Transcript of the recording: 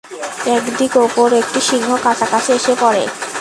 একদিন অপর একটি সিংহ কাছাকাছি এসে পড়ে।